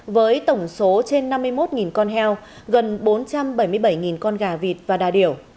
với tổng số trên năm mươi một con heo gần bốn trăm bảy mươi bảy con gà vịt và đà điểu